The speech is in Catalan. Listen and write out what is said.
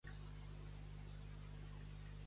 Hi ha honres que són deshonres.